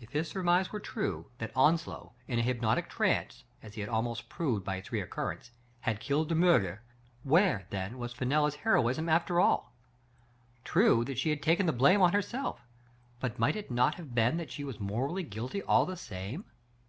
If his surmise were true, that Onslow, in a hypnotic trance, as he had almost proved by its recurrence, had killed De Miirger, where, then, was Fenella's heroism after all ? True that she had taken the blame on herself ; but might it not have been that she was morally guilty all the same?